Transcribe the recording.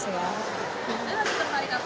lagi tadi sih